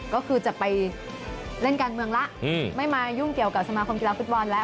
ก็คือจะไปเล่นการเมืองแล้วไม่มายุ่งเกี่ยวกับสมาคมกีฬาฟุตบอลแล้ว